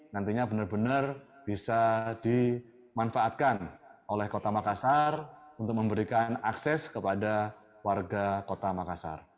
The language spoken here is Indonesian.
nantinya benar benar bisa dimanfaatkan oleh kota makassar untuk memberikan akses kepada warga kota makassar